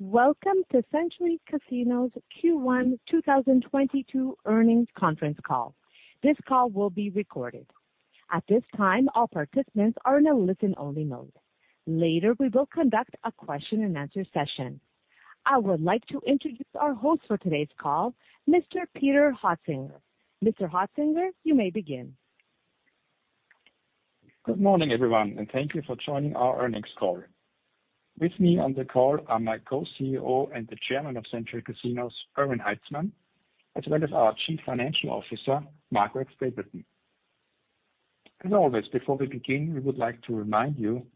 Welcome to Century Casinos Q1 2022 Earnings Conference Call. This call will be recorded. At this time, all participants are in a listen-only mode. Later, we will conduct a question-and-answer session. I would like to introduce our host for today's call, Mr. Peter Hoetzinger. Mr. Hoetzinger, you may begin. Good morning, everyone, and thank you for joining our earnings call. With me on the call are my Co-CEO and the Chairman of Century Casinos, Erwin Haitzmann, as well as our Chief Financial Officer, Margaret Stapleton. As always, before we begin, we would like to remind you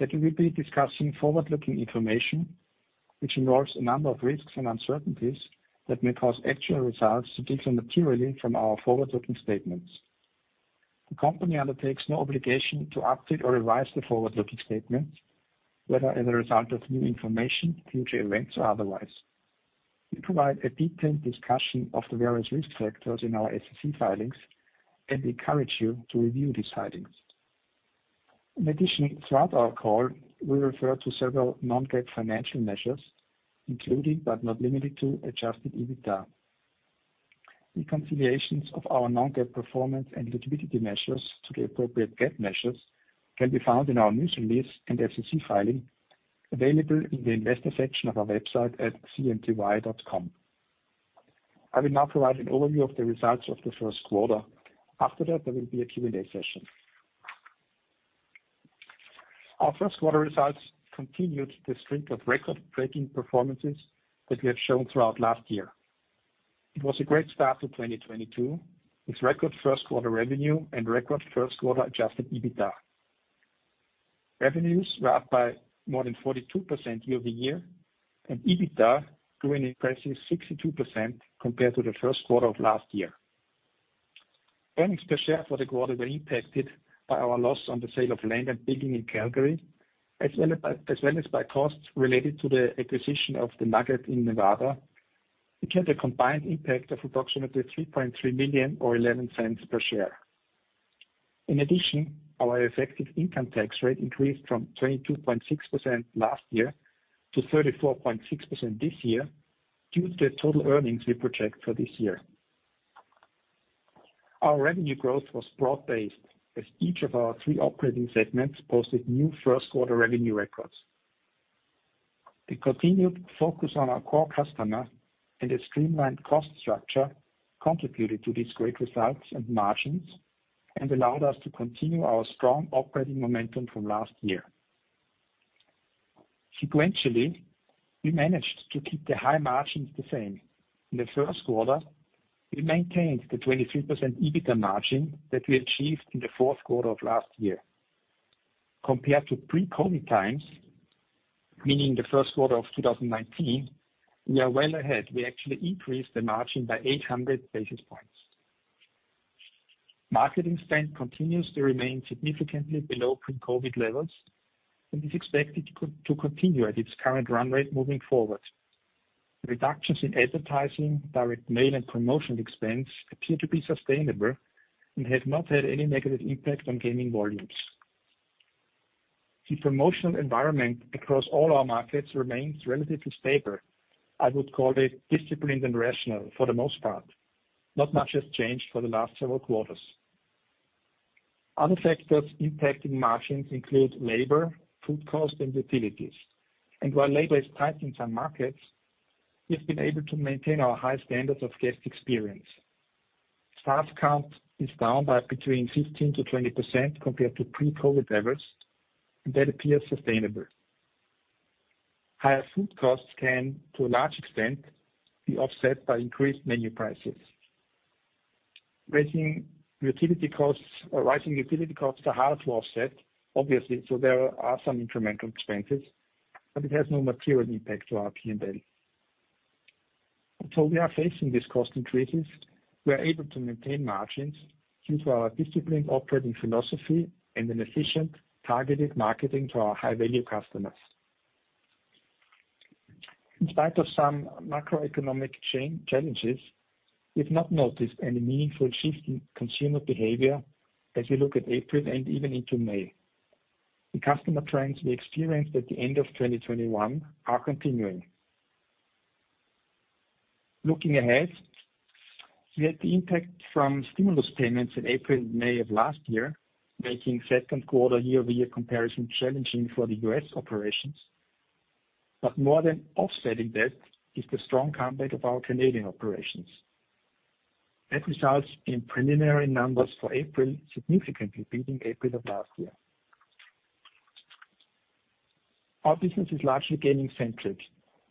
that we will be discussing forward-looking information which involves a number of risks and uncertainties that may cause actual results to differ materially from our forward-looking statements. The company undertakes no obligation to update or revise the forward-looking statements, whether as a result of new information, future events, or otherwise. We provide a detailed discussion of the various risk factors in our SEC filings and encourage you to review these filings. In addition, throughout our call, we refer to several non-GAAP financial measures, including, but not limited to, adjusted EBITDA. Reconciliations of our non-GAAP performance and liquidity measures to the appropriate GAAP measures can be found in our news release and SEC filing available in the investor section of our website at cnty.com. I will now provide an overview of the results of the first quarter. After that, there will be a Q&A session. Our first quarter results continued the streak of record-breaking performances that we have shown throughout last year. It was a great start to 2022, with record first quarter revenue and record first quarter adjusted EBITDA. Revenues were up by more than 42% year-over-year, and EBITDA grew an impressive 62% compared to the first quarter of last year. Earnings per share for the quarter were impacted by our loss on the sale of land and building in Calgary, as well as by costs related to the acquisition of the Nugget in Nevada, which had a combined impact of approximately $3.3 million or $0.11 per share. In addition, our effective income tax rate increased from 22.6% last year to 34.6% this year, due to the total earnings we project for this year. Our revenue growth was broad-based, as each of our three operating segments posted new first quarter revenue records. The continued focus on our core customer and a streamlined cost structure contributed to these great results and margins and allowed us to continue our strong operating momentum from last year. Sequentially, we managed to keep the high margins the same. In the first quarter, we maintained the 23% EBITDA margin that we achieved in the fourth quarter of last year. Compared to pre-COVID times, meaning the first quarter of 2019, we are well ahead. We actually increased the margin by 800 basis points. Marketing spend continues to remain significantly below pre-COVID levels and is expected to continue at its current run rate moving forward. Reductions in advertising, direct mail, and promotional expense appear to be sustainable and have not had any negative impact on gaming volumes. The promotional environment across all our markets remains relatively stable. I would call it disciplined and rational for the most part. Not much has changed for the last several quarters. Other factors impacting margins include labor, food cost, and utilities. While labor is tight in some markets, we've been able to maintain our high standards of guest experience. Staff count is down by between 15%-20% compared to pre-COVID levels, and that appears sustainable. Higher food costs can, to a large extent, be offset by increased menu prices. Rising utility costs are hard to offset, obviously, so there are some incremental expenses, but it has no material impact to our P&L. Although we are facing these cost increases, we are able to maintain margins due to our disciplined operating philosophy and an efficient targeted marketing to our high-value customers. In spite of some macroeconomic challenges, we've not noticed any meaningful shift in consumer behavior as we look at April and even into May. The customer trends we experienced at the end of 2021 are continuing. Looking ahead, we had the impact from stimulus payments in April and May of last year, making second quarter year-over-year comparison challenging for the U.S. operations. More than offsetting that is the strong comeback of our Canadian operations. Net results in preliminary numbers for April significantly beating April of last year. Our business is largely gaming-centric.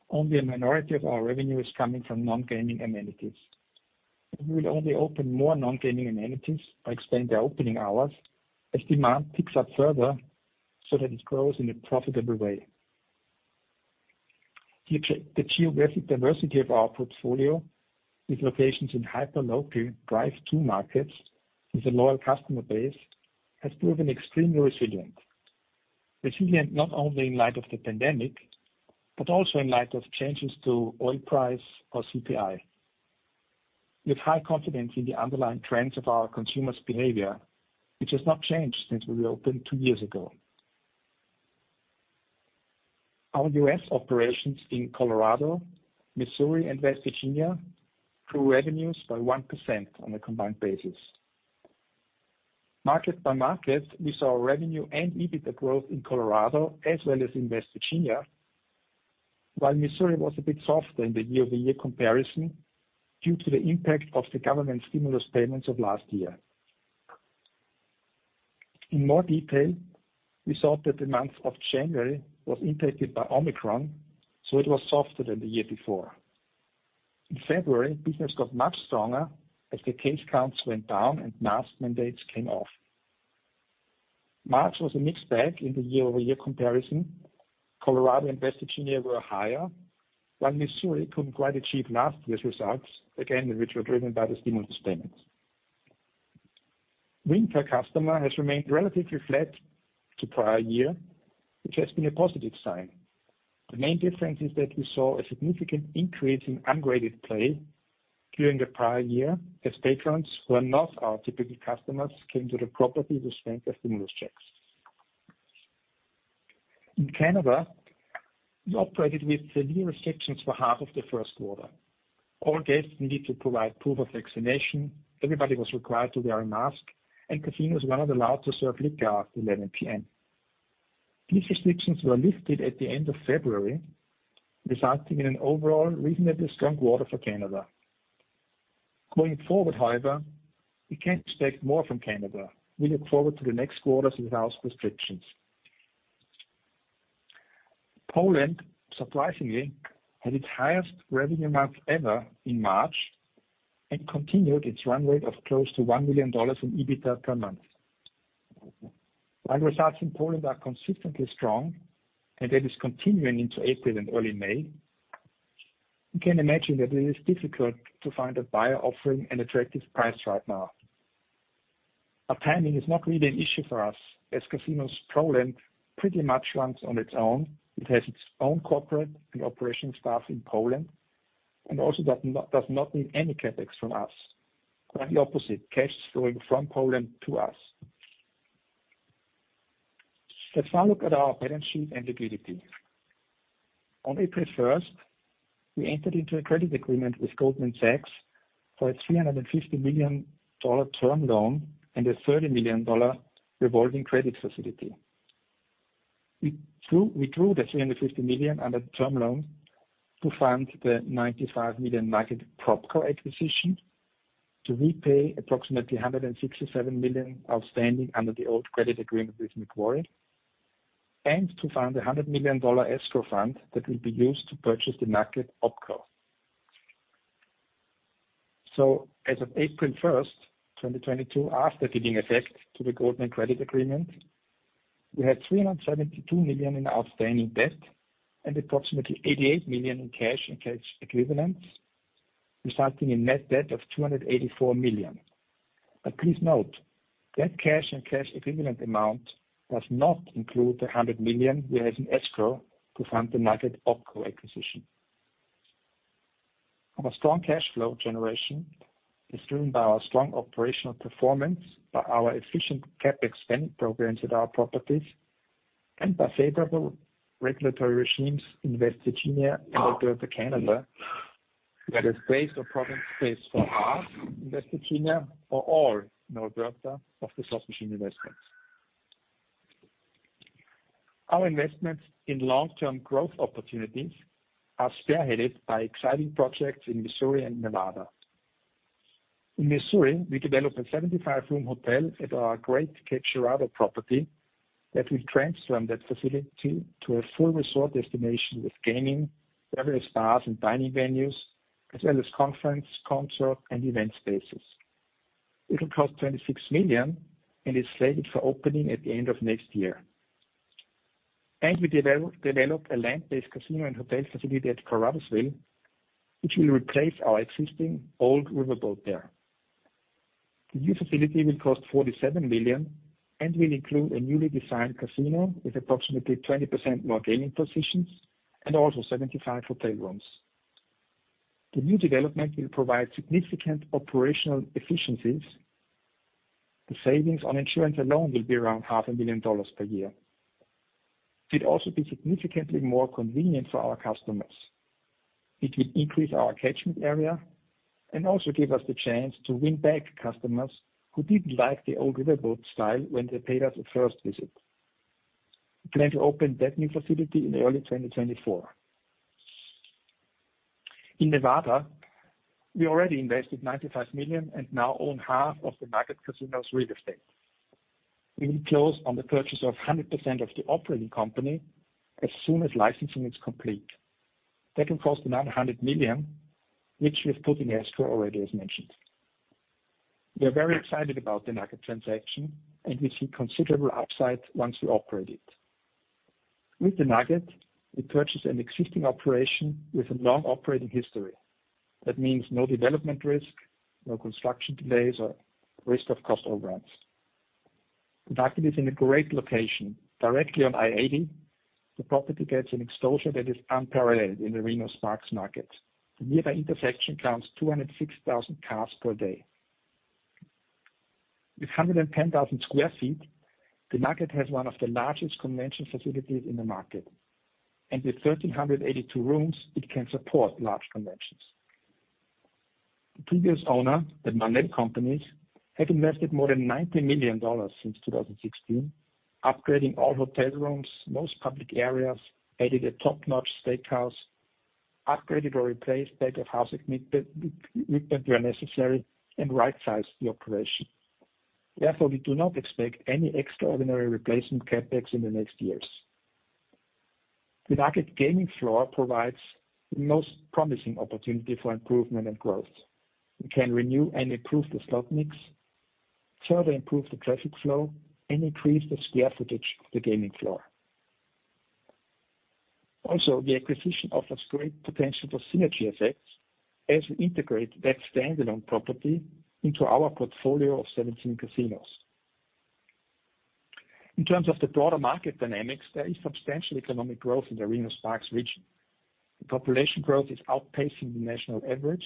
Only a minority of our revenue is coming from non-gaming amenities. We will only open more non-gaming amenities by extending their opening hours as demand picks up further so that it grows in a profitable way. The geographic diversity of our portfolio with locations in hyper-local drive-to markets with a loyal customer base has proven extremely resilient. Resilient not only in light of the pandemic, but also in light of changes to oil price or CPI. With high confidence in the underlying trends of our consumers' behavior, which has not changed since we opened two years ago. Our U.S. operations in Colorado, Missouri and West Virginia grew revenues by 1% on a combined basis. Market by market, we saw revenue and EBITDA growth in Colorado as well as in West Virginia, while Missouri was a bit softer in the year-over-year comparison due to the impact of the government stimulus payments of last year. In more detail, we saw that the month of January was impacted by Omicron, so it was softer than the year before. In February, business got much stronger as the case counts went down and mask mandates came off. March was a mixed bag in the year-over-year comparison. Colorado and West Virginia were higher, while Missouri couldn't quite achieve last year's results, again, which were driven by the stimulus payments. Win per customer has remained relatively flat to prior year, which has been a positive sign. The main difference is that we saw a significant increase in unrated play during the prior year, as patrons who are not our typical customers came to the property with strength of stimulus checks. In Canada, we operated with the new restrictions for half of the first quarter. All guests needed to provide proof of vaccination, everybody was required to wear a mask, and casinos were not allowed to serve liquor after 11:00 PM. These restrictions were lifted at the end of February, resulting in an overall reasonably strong quarter for Canada. Going forward, however, we can expect more from Canada. We look forward to the next quarters without restrictions. Poland, surprisingly, had its highest revenue amount ever in March and continued its run rate of close to $1 million in EBITDA per month. While results in Poland are consistently strong, and that is continuing into April and early May, you can imagine that it is difficult to find a buyer offering an attractive price right now. Timing is not really an issue for us, as Casinos Poland pretty much runs on its own. It has its own corporate and operation staff in Poland, and also does not need any CapEx from us. Quite the opposite, cash is flowing from Poland to us. Let's now look at our balance sheet and liquidity. On April 1, we entered into a credit agreement with Goldman Sachs for a $350 million term loan and a $30 million revolving credit facility. We drew the $350 million under the term loan to fund the $95 million Margaritaville PropCo acquisition to repay approximately $167 million outstanding under the old credit agreement with Macquarie, and to fund the $100 million escrow fund that will be used to purchase the Margaritaville OpCo. As of April 1, 2022, after giving effect to the Goldman Sachs credit agreement, we had $372 million in outstanding debt and approximately $88 million in cash and cash equivalents, resulting in net debt of $284 million. Please note, that cash and cash equivalent amount does not include the $100 million we have in escrow to fund the Margaritaville OpCo acquisition. Our strong cash flow generation is driven by our strong operational performance, by our efficient CapEx spend programs at our properties, and by favorable regulatory regimes in West Virginia and Alberta, Canada, where space is not a problem for us in West Virginia for all in Alberta of the slot machine investments. Our investments in long-term growth opportunities are spearheaded by exciting projects in Missouri and Nevada. In Missouri, we developed a 75-room hotel at our great Cape Girardeau property that will transform that facility to a full resort destination with gaming, various bars and dining venues, as well as conference, concert, and event spaces. It'll cost $26 million and is slated for opening at the end of next year. We developed a land-based casino and hotel facility at Caruthersville, which will replace our existing old riverboat there. The new facility will cost $47 million and will include a newly designed casino with approximately 20% more gaming positions and also 75 hotel rooms. The new development will provide significant operational efficiencies. The savings on insurance alone will be around half a million dollars per year. It will also be significantly more convenient for our customers. It will increase our catchment area and also give us the chance to win back customers who didn't like the old riverboat style when they paid us a first visit. We plan to open that new facility in early 2024. In Nevada, we already invested $95 million and now own half of the Nugget Casino Resort's real estate. We will close on the purchase of 100% of the operating company as soon as licensing is complete. That will cost $900 million, which we have put in escrow already as mentioned. We are very excited about the Nugget transaction and we see considerable upside once we operate it. With the Nugget, we purchased an existing operation with a long operating history. That means no development risk, no construction delays or risk of cost overruns. The Nugget is in a great location, directly on I-80. The property gets an exposure that is unparalleled in the Reno-Sparks market. The nearby intersection counts 206,000 cars per day. With 110,000 sq ft, the Nugget has one of the largest convention facilities in the market, and with 1,382 rooms, it can support large conventions. The previous owner, the Marnell Companies, had invested more than $90 million since 2016, upgrading all hotel rooms, most public areas, added a top-notch steakhouse, upgraded or replaced back-of-house equipment where necessary, and right-sized the operation. Therefore, we do not expect any extraordinary replacement CapEx in the next years. The Nugget gaming floor provides the most promising opportunity for improvement and growth. We can renew and improve the slot mix, further improve the traffic flow, and increase the square footage of the gaming floor. Also, the acquisition offers great potential for synergy effects as we integrate that standalone property into our portfolio of 17 casinos. In terms of the broader market dynamics, there is substantial economic growth in the Reno-Sparks region. The population growth is outpacing the national average,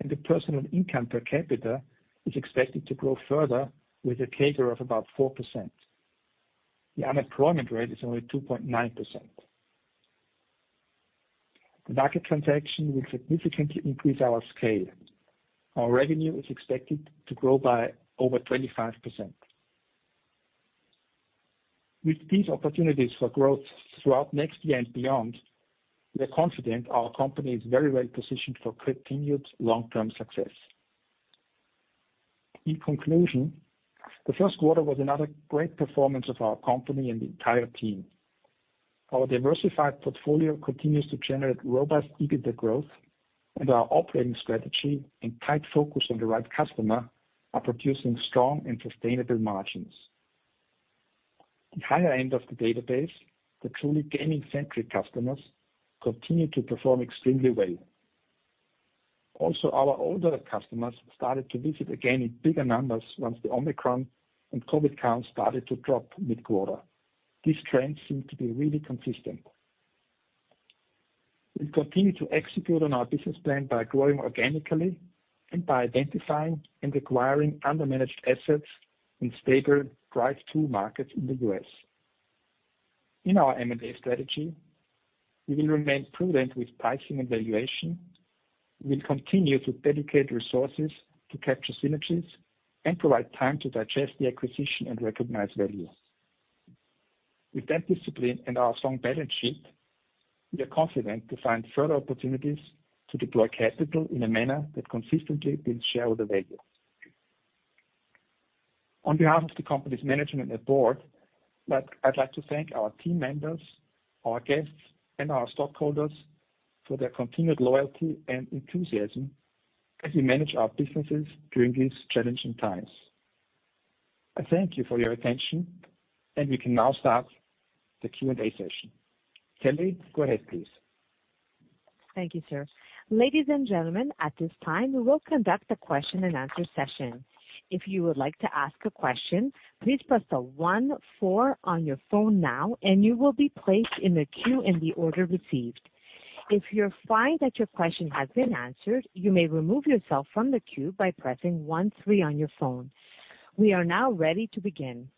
and the personal income per capita is expected to grow further with a CAGR of about 4%. The unemployment rate is only 2.9%. The Nugget transaction will significantly increase our scale. Our revenue is expected to grow by over 25%. With these opportunities for growth throughout next year and beyond, we are confident our company is very well positioned for continued long-term success. In conclusion, the first quarter was another great performance of our company and the entire team. Our diversified portfolio continues to generate robust EBITDA growth, and our operating strategy and tight focus on the right customer are producing strong and sustainable margins. The higher end of the database, the truly gaming-centric customers, continue to perform extremely well. Also, our older customers started to visit again in bigger numbers once the Omicron and COVID counts started to drop mid-quarter. These trends seem to be really consistent. We continue to execute on our business plan by growing organically and by identifying and acquiring under-managed assets in stable drive-to markets in the U.S. In our M&A strategy, we will remain prudent with pricing and valuation. We will continue to dedicate resources to capture synergies and provide time to digest the acquisition and recognize value. With that discipline and our strong balance sheet, we are confident to find further opportunities to deploy capital in a manner that consistently builds shareholder value. On behalf of the company's management and board, I'd like to thank our team members, our guests, and our stockholders for their continued loyalty and enthusiasm as we manage our businesses during these challenging times. I thank you for your attention, and we can now start the Q&A session. Kelly, go ahead, please. Thank you, sir. Ladies and gentlemen, at this time, we will conduct a question-and-answer session. If you would like to ask a question, please press the one four on your phone now, and you will be placed in the queue in the order received. If you find that your question has been answered, you may remove yourself from the queue by pressing one three on your phone. We are now ready to begin.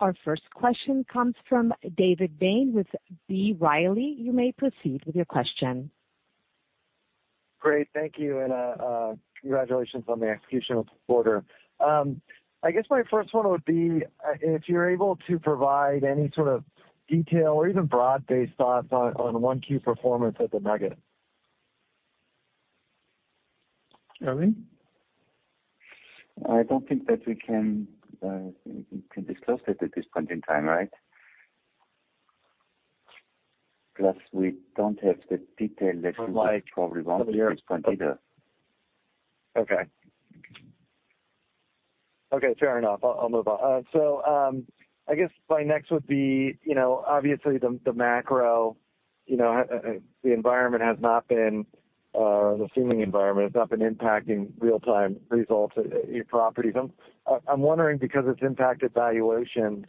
Our first question comes from David Bain with B. Riley. You may proceed with your question. Great. Thank you. Congratulations on the execution of the quarter. I guess my first one would be, if you're able to provide any sort of detail or even broad-based thoughts on the Q1 performance at the Nugget. Erwin? I don't think that we can disclose it at this point in time, right? Plus, we don't have the detail that you might probably want at this point either. Okay. Okay, fair enough. I'll move on. I guess my next would be, you know, obviously the macro environment has not been impacting real-time results at your properties. I'm wondering because it's impacted valuations,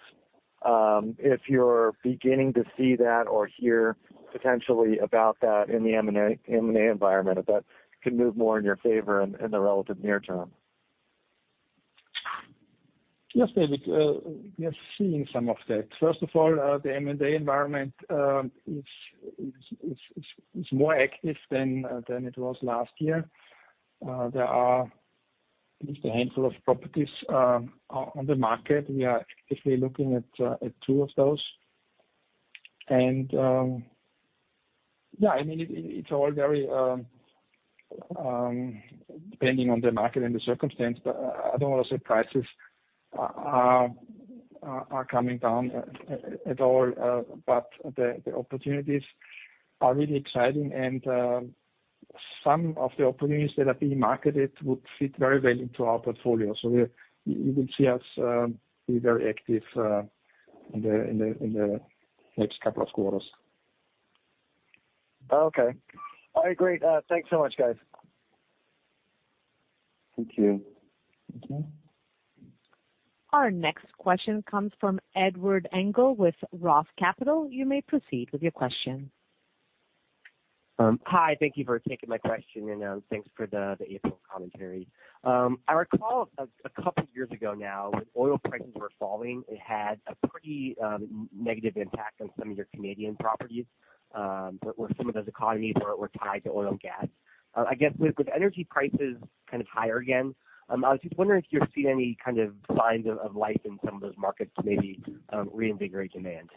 if you're beginning to see that or hear potentially about that in the M&A environment, if that can move more in your favor in the relative near term. Yes, David, we are seeing some of that. First of all, the M&A environment is more active than it was last year. There are at least a handful of properties on the market. We are actively looking at two of those. Yeah, I mean, it's all very depending on the market and the circumstance, but I don't wanna say prices are coming down at all, but the opportunities are really exciting and some of the opportunities that are being marketed would fit very well into our portfolio. You will see us be very active in the next couple of quarters. Okay. All right, great. Thanks so much, guys. Thank you. Thank you. Our next question comes from Edward Engel with Roth Capital Partners. You may proceed with your question. Hi, thank you for taking my question, and thanks for the April commentary. I recall a couple years ago now, when oil prices were falling, it had a pretty negative impact on some of your Canadian properties, but where some of those economies were tied to oil and gas. I guess with energy prices kind of higher again, I was just wondering if you're seeing any kind of signs of life in some of those markets to maybe reinvigorate demand.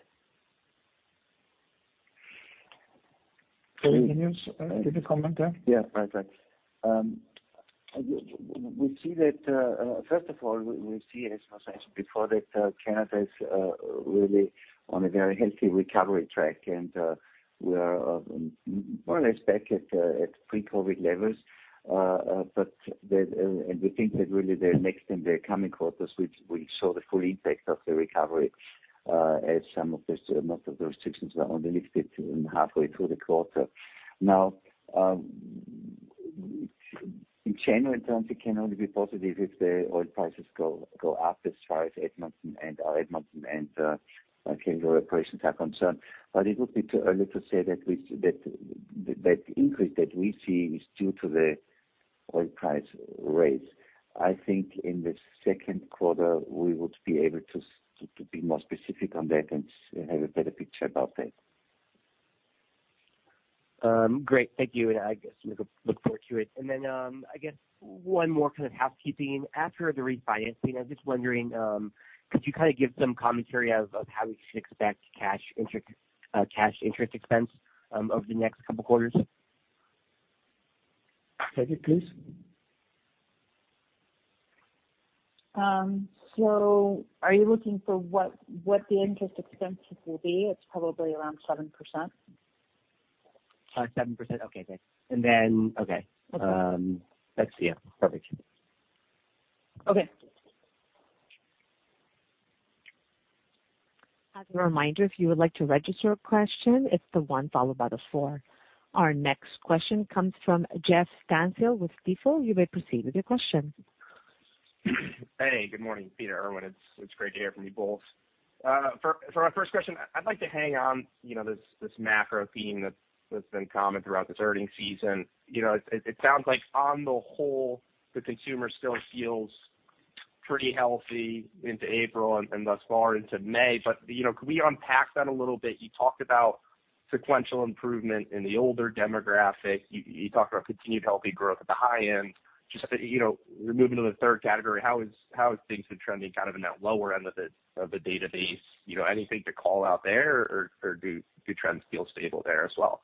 Can you comment there? Yeah. Right. Right. We see that, first of all, we see, as was mentioned before, that Canada is really on a very healthy recovery track. We are more or less back at pre-COVID levels. We think that really the next and the coming quarters, we saw the full impact of the recovery, as most of those restrictions were only lifted halfway through the quarter. Now, in general terms, it can only be positive if the oil prices go up as far as Edmonton and the operations are concerned. But it would be too early to say that that increase that we see is due to the oil price rise. I think in the second quarter, we would be able to be more specific on that and have a better picture about that. Great. Thank you. I guess we could look forward to it. I guess one more kind of housekeeping. After the refinancing, I'm just wondering, could you kinda give some commentary of how we should expect cash interest expense over the next couple quarters? Take it, please. Are you looking for what the interest expenses will be? It's probably around 7%. 7%. Okay, great. Okay. Okay. That's, yeah, perfect. Okay. As a reminder, if you would like to register a question, it's the one followed by the four. Our next question comes from Jeff Stantial with Stifel. You may proceed with your question. Hey, good morning, Peter, Erwin. It's great to hear from you both. For my first question, I'd like to hang on, you know, this macro theme that's been common throughout this earnings season. You know, it sounds like on the whole, the consumer still feels pretty healthy into April and thus far into May, but, you know, could we unpack that a little bit? You talked about sequential improvement in the older demographic. You talked about continued healthy growth at the high end. Just, you know, moving to the third category, how is things been trending kind of in that lower end of the database? You know, anything to call out there or do trends feel stable there as well?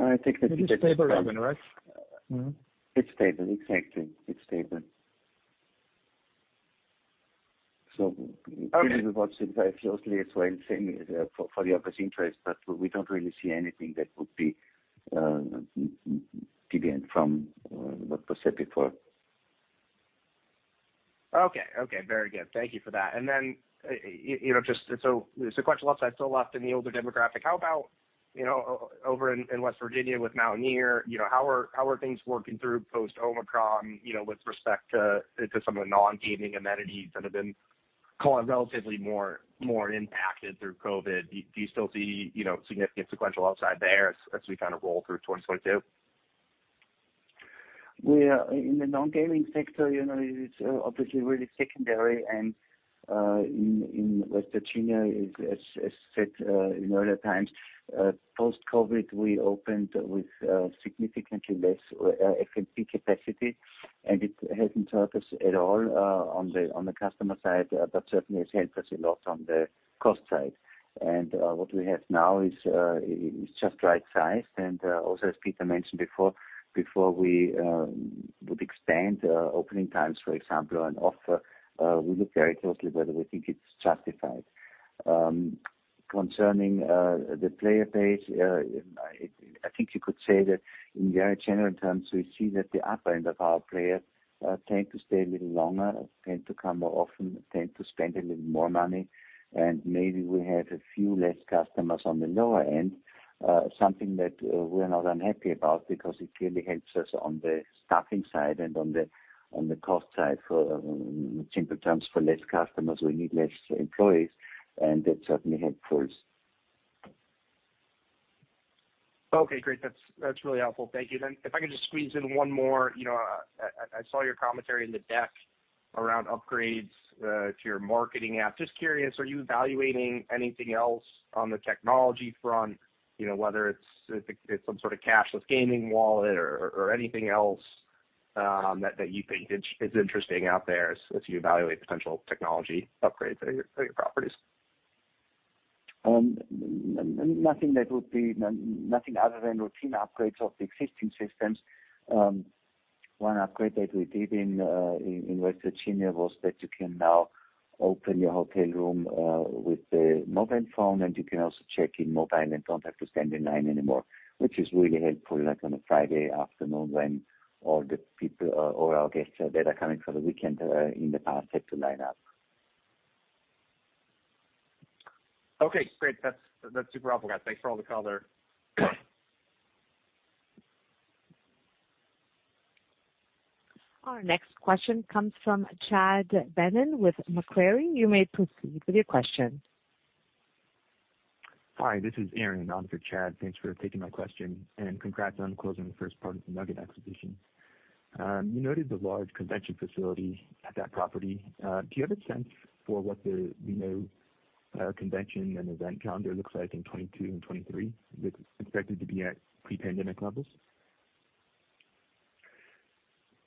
I think that it's stable, Erwin, right? It's stable. Exactly. It's stable. Okay. We really watch it very closely as well, same for the office interest, but we don't really see anything that would be deviant from what was said before. Okay. Very good. Thank you for that. Then, you know, just so sequential upside still left in the older demographic, how about, you know, over in West Virginia with Mountaineer? You know, how are things working through post-Omicron, you know, with respect to some of the non-gaming amenities that have been, call it, relatively more impacted through COVID? Do you still see, you know, significant sequential upside there as we kind of roll through 2022? We are in the non-gaming sector, you know, it's obviously really secondary. In West Virginia, as said in earlier times post-COVID, we opened with significantly less F&B capacity, and it hasn't hurt us at all on the customer side, but certainly has helped us a lot on the cost side. What we have now is just right sized. Also, as Peter mentioned before we would expand opening times, for example, and offer, we look very closely whether we think it's justified. Concerning the player base, I think you could say that in very general terms, we see that the upper end of our players tend to stay a little longer, tend to come more often, tend to spend a little more money, and maybe we have a few less customers on the lower end, something that we're not unhappy about because it clearly helps us on the staffing side and on the cost side. For simple terms, for less customers, we need less employees, and that certainly helps us. Okay, great. That's really helpful. Thank you. If I could just squeeze in one more. You know, I saw your commentary in the deck around upgrades to your marketing app. Just curious, are you evaluating anything else on the technology front, you know, whether it's some sort of cashless gaming wallet or anything else, that you think is interesting out there as you evaluate potential technology upgrades at your properties? Nothing other than routine upgrades of the existing systems. One upgrade that we did in West Virginia was that you can now open your hotel room with a mobile phone, and you can also check in mobile and don't have to stand in line anymore, which is really helpful, like on a Friday afternoon when all the people or our guests that are coming for the weekend in the past had to line up. Okay, great. That's super helpful, guys. Thanks for all the color. Our next question comes from Chad Beynon with Macquarie. You may proceed with your question. Hi, this is Aaron. On behalf of Chad, thanks for taking my question. Congrats on closing the first part of the Nugget acquisition. You noted the large convention facility at that property. Do you have a sense for what the, you know, convention and event calendar looks like in 2022 and 2023? Is it expected to be at pre-pandemic levels?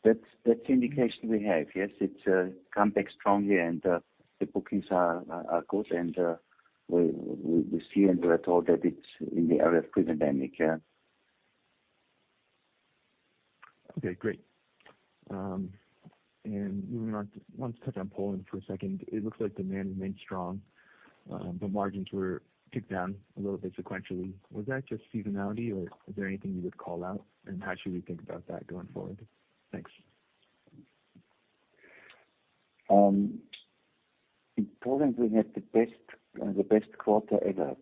That's the indication we have. Yes. It's come back strongly and the bookings are good. We see and we are told that it's in the area of pre-pandemic, yeah. Okay, great. Moving on to want to touch on Poland for a second. It looks like demand remains strong. Margins were ticked down a little bit sequentially. Was that just seasonality or is there anything you would call out? How should we think about that going forward? Thanks. In Poland, we had the best quarter ever.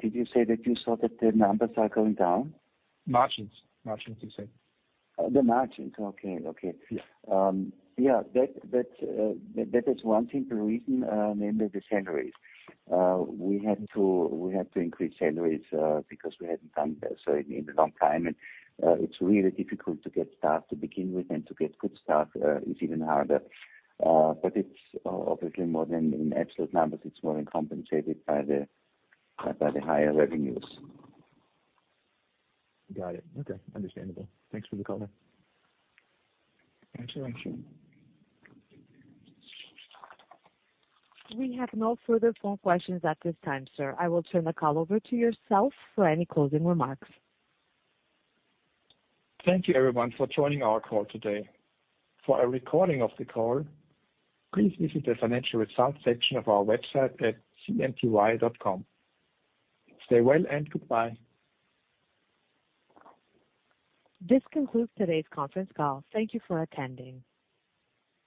Did you say that you saw that the numbers are going down? Margins. Margins, you said. Oh, the margins. Okay. Okay. Yeah. Yeah. That is one simple reason, namely the salaries. We had to increase salaries because we hadn't done that in so long. It's really difficult to get staff to begin with, and to get good staff is even harder. But it's obviously more than in absolute numbers. It's more than compensated by the higher revenues. Got it. Okay. Understandable. Thanks for the color. Thanks a lot. We have no further phone questions at this time, sir. I will turn the call over to yourself for any closing remarks. Thank you everyone for joining our call today. For a recording of the call, please visit the financial results section of our website at cnty.com. Stay well and goodbye. This concludes today's conference call. Thank you for attending.